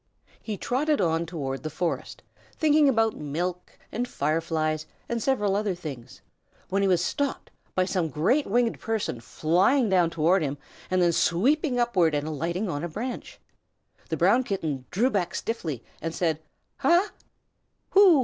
He trotted on toward the forest, thinking about milk and Fireflies and several other things, when he was stopped by some great winged person flying down toward him and then sweeping upward and alighting on a branch. The Brown Kitten drew back stiffly and said, "Ha a ah!" "Who?